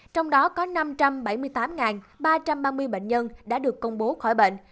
trong đó có năm trăm bảy mươi tám ba trăm ba mươi bệnh nhân đã được công bố khỏi bệnh